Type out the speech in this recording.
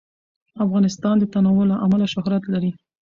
افغانستان د تنوع له امله شهرت لري.